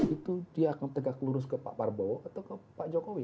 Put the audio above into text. itu dia akan tegak lurus ke pak prabowo atau ke pak jokowi